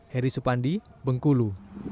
heri supandi bengkulu